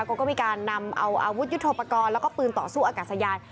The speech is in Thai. ก็มีการนำเอาอาวุธยุทธโปรกรณ์แล้วก็ปืนต่อสู้อากาศยาน